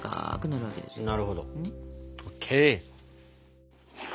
なるほど。